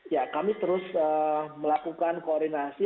ya kami terus melakukan koordinasi